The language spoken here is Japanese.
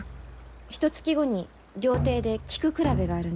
ひとつき後に料亭で菊比べがあるんです。